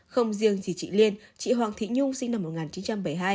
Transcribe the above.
không riêng gì chị liên chị hoàng thị nhung sinh năm một nghìn chín trăm bảy mươi hai